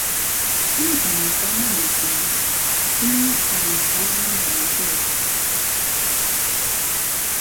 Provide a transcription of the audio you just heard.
خولی فهرهنسا ناناسم، خولی فهرهنسا من دهناسێت